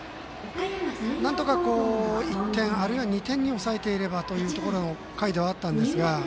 なんとか、１点あるいは２点に抑えていればという回ではあったんですが。